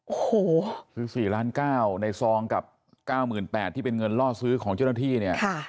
โอ้โหซื้อ๔๙๐๐๐๐๐บาทในซองกับ๙๘๐๐๐บาทที่เป็นเงินล่อซื้อของเจ้าหน้าที่เนี่ย